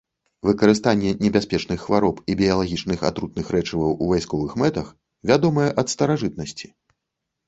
Выкарыстанне небяспечных хвароб і біялагічных атрутных рэчываў у вайсковых мэтах вядомае ад старажытнасці.